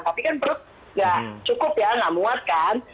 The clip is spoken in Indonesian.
tapi kan perut nggak cukup ya nggak muat kan